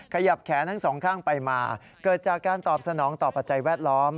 ขยับแขนทั้งสองข้างไปมาเกิดจากการตอบสนองต่อปัจจัยแวดล้อม